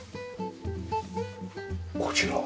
こちらは？